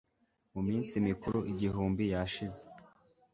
Mu minsi mikuru igihumbi yashize